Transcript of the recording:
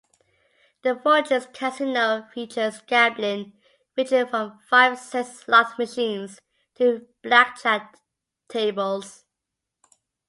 The Fortunes casino features gambling, ranging from five-cent slot machines to blackjack tables.